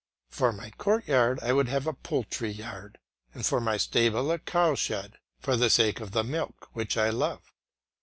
For my courtyard I would have a poultry yard, and for my stables a cowshed for the sake of the milk which I love.